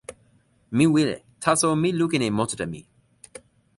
mi wile, taso mi lukin e monsuta mi.